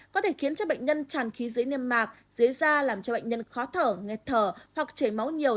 có thể khiến cho bệnh nhân tràn khí dưới niêm mạc dưới da làm cho bệnh nhân khó thở nghẹt thở hoặc chảy máu nhiều